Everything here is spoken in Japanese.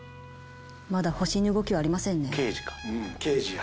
まだホシに動きはありませんね。